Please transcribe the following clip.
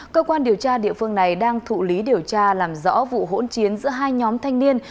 cơ quan điều tra địa phương này đang thụ lý điều tra làm rõ vụ hỗn chiến giữa hai nhóm thanh niên